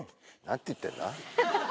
何て言ってんだ？